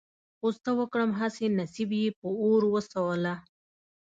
خو څه وکړم هسې نصيب يې په اور وسوله.